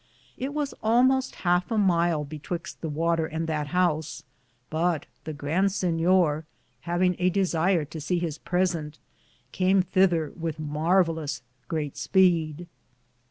It was almoste halfe a myle betwyxte the water and that house ; but the Grand Sinyor, haveinge a desier to se his presente, came thether wythe marvalus greate speed.